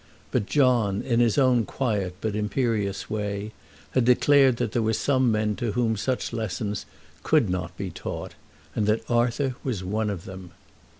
But John in his own quiet but imperious way, had declared that there were some men to whom such lessons could not be taught, and that Arthur was one of them.